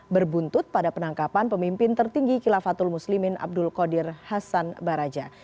berbuntut pada penangkapan pemimpin tertinggi kilafatul muslimin abdul qadir hasan baraja